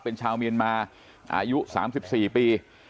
เป็นชาวเมียนมาอายุ๓๔ปี